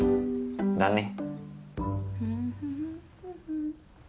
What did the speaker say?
だね。